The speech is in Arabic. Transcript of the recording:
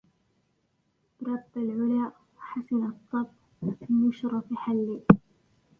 رب العلا حسنَ الطبع المُشرَّفِ حِل